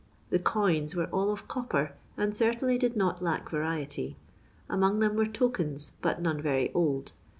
The coins were all of copper, and certainly did not lack variety. Among them were tokens, but none very old.